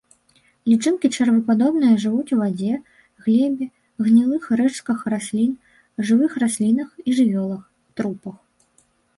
Лічынкі чэрвепадобныя, жывуць у вадзе, глебе, гнілых рэштках раслін, жывых раслінах і жывёлах, трупах.